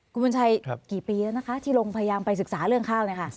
คุณบุญชัยกี่ปีแล้วนะคะที่ลงพยายามไปศึกษาเรื่องข้าวเนี่ยค่ะ